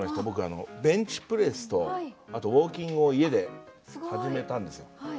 僕ベンチプレスとあとウォーキングを家で始めたんですよ。